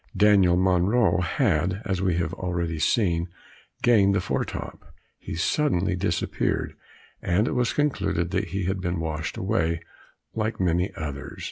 Daniel Monro, had, as we have already seen, gained the fore top. He suddenly disappeared, and it was concluded that he had been washed away like many others.